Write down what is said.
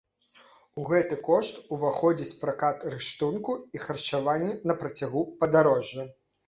У гэты кошт уваходзіць пракат рыштунку і харчаванне на працягу падарожжа.